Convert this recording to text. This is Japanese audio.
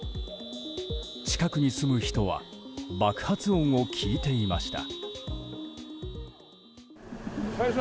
近くに住む人は爆発音を聞いていました。